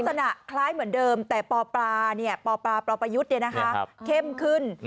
ลักษณะคล้ายเหมือนเดิมแต่ปปยุทธ์เข้มขึ้น